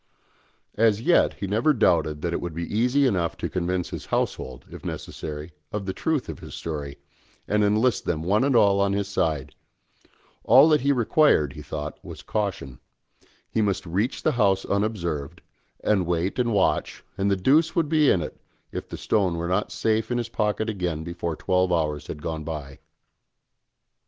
As yet he never doubted that it would be easy enough to convince his household, if necessary, of the truth of his story, and enlist them one and all on his side; all that he required, he thought, was caution; he must reach the house unobserved, and wait and watch, and the deuce would be in it if the stone were not safe in his pocket again before twelve hours had gone by.